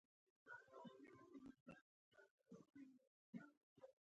هلته مو لمونځونه وکړل.